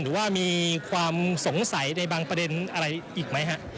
หรือว่ามีความสงสัยในบางประเด็นอะไรอีกไหมฮะ